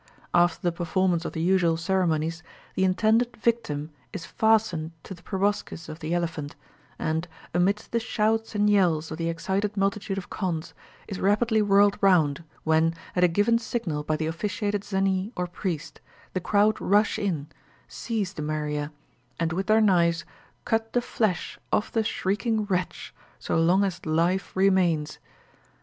After the performance of the usual ceremonies, the intended victim is fastened to the proboscis of the elephant, and, amidst the shouts and yells of the excited multitude of Khonds, is rapidly whirled round, when, at a given signal by the officiating Zanee or priest, the crowd rush in, seize the Meriah, and with their knives cut the flesh off the shrieking wretch so long as life remains.